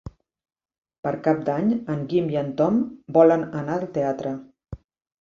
Per Cap d'Any en Guim i en Tom volen anar al teatre.